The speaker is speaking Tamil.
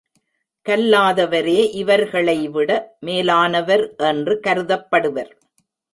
கல்லாதவரே இவர்களைவிட மேலானவர் என்று கருதப்படுவர்.